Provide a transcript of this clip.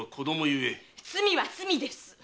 罪は罪です！